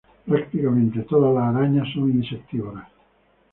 Prácticamente todas las arañas son insectívoras.